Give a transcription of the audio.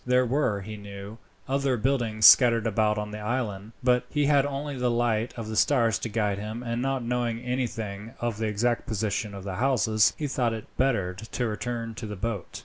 There were, he knew, other buildings scattered about on the island; but he had only the light of the stars to guide him, and, not knowing anything of the exact position of the houses, he thought it better to return to the boat.